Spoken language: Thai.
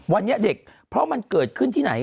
วันนี้เด็กเพราะมันเกิดขึ้นที่ไหน